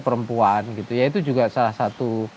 perempuan gitu ya itu juga salah satu